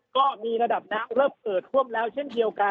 ก็มีระดับน้ำเริ่มเอิดท่วมแล้วเช่นเดียวกัน